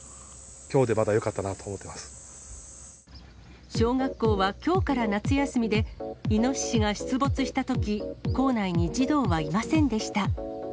きょうでまだよかったなと思って小学校はきょうから夏休みで、イノシシが出没したとき、校内に児童はいませんでした。